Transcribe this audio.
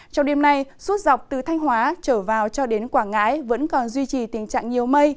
trong đêm nay suốt dọc từ thanh hóa trở vào cho đến quảng ngãi vẫn còn duy trì tình trạng nhiều mây